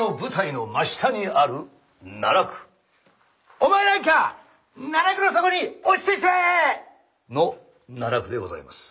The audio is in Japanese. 「お前なんか奈落の底に落ちてしまえ！」の奈落でございます。